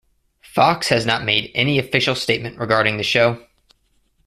Fox has not made any official statement regarding the show.